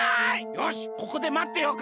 よしここでまってようか。